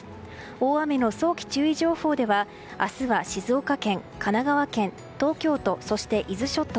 大雨の早期注意情報では明日は静岡県、神奈川県東京都、伊豆諸島